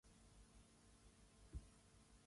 我可以退費嗎